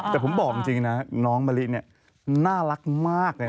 แต่ผมบอกจริงนะน้องมะลิน่ารักมากเลยนะ